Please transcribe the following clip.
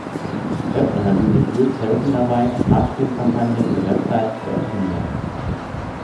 Web-Analysetools helfen dabei, Marketingkampagnen und Websites zu optimieren.